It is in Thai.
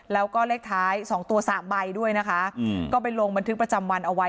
แล้วก็เลขท้าย๒ตัว๓ใบด้วยนะคะก็ไปลงบันทึกประจำวันเอาไว้